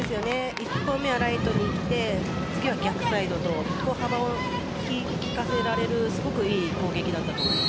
１本目はライトに打って次は逆サイドと幅を利かせられるすごくいい攻撃だったと思います。